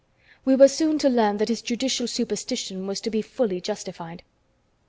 We were soon to learn that his judicial superstition was to be fully justified.